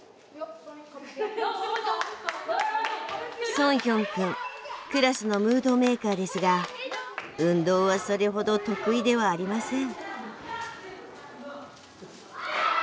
ソンヒョンくんクラスのムードメーカーですが運動はそれほど得意ではありません。